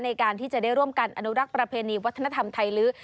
ในการที่จะได้ร่วมกันอนุรักษ์ประเพณีวัฒนธรรมไทยลื้อ